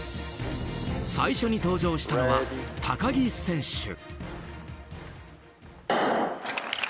最初に登場したのは高木選手。